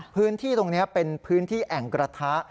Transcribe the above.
พื้นที่ตรงนี้เป็นพื้นที่แอ่งกระทะ